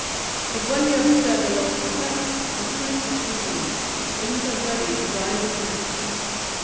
But when he observed the loss of the purses, the truth was revealed, and he felt ready to die with grief.